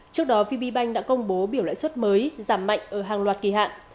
trước đó vp banh đã công bố biểu lãi suất mới giảm mạnh ở hàng loạt kỳ hạn